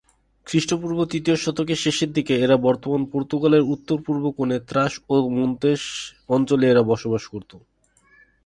খ্রিস্টপূর্ব তৃতীয় শতকের শেষের দিকে এরা বর্তমান পর্তুগালের উত্তরপূর্ব কোণে ত্রাস-ওস-মোনতেস অঞ্চলে এরা বসবাস করত।